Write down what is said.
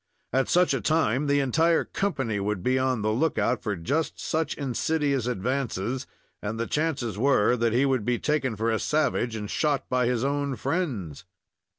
At such a time, the entire company would be on the look out for just such insidious advances, and the chances were that he would be taken for a savage and shot by his own friends.